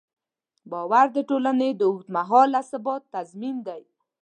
باور د ټولنې د اوږدمهاله ثبات تضمین دی.